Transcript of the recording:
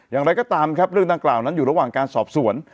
อย่างไรก็ตามครับเรื่องดังกล่าวนั้นอยู่ระหว่างการสอบสวน